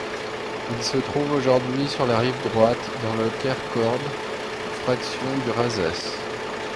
Il se trouve aujourd'hui sur la rive droite, dans le Quercorb, fraction du Razès.